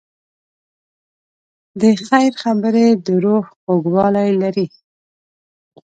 د خیر خبرې د روح خوږوالی لري.